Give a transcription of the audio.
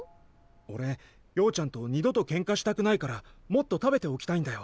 おれようちゃんと二度とケンカしたくないからもっと食べておきたいんだよ。